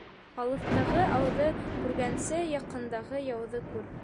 Алыҫтағы ауҙы күргәнсе, яҡындағы яуҙы күр.